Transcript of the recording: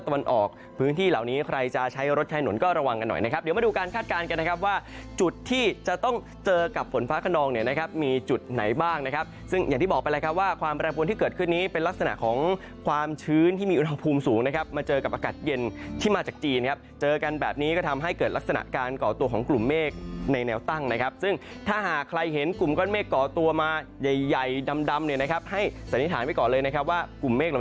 วันออกพื้นที่เหล่านี้ใครจะใช้รถใช้หนนก็ระวังกันหน่อยนะครับเดี๋ยวมาดูการคาดการณ์กันนะครับว่าจุดที่จะต้องเจอกับฝนฟ้ากระนองเนี่ยนะครับมีจุดไหนบ้างนะครับซึ่งอย่างที่บอกไปเลยครับว่าความแปรปวนที่เกิดขึ้นนี้เป็นลักษณะของความชื้นที่มีอุณหภูมิสูงนะครับมาเจอกับอากาศเย็นที่มาจากจีนนะครั